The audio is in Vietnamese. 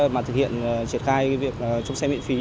mà thực hiện triển khai việc chống xe miễn phí